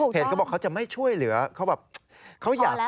เพจเขาบอกเขาจะไม่ช่วยเหลือเขาอยาก